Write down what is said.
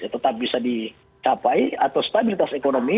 tetap bisa dicapai atau stabilitas ekonomi